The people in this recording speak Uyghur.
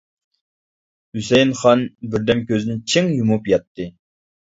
ھۈسەيىن خان بىردەم كۆزىنى چىڭ يۇمۇپ ياتتى.